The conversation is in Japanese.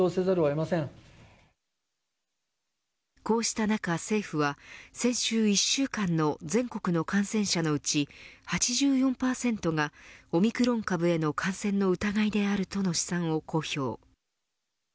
こうした中、政府は先週１週間の全国の感染者のうち８４％がオミクロン株への感染の疑いであるとの試算を公表。